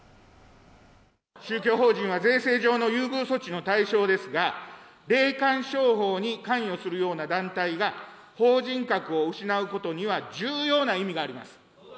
宗教法人は税制上の優遇措置の対象ですが、霊感商法に関与するような団体が、法人格を失うことには、重要な意味があります。